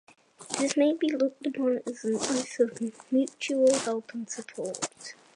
This may be looked upon as an oath of mutual help and support.